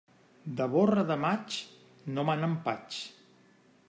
De borra de maig, no me n'empatx.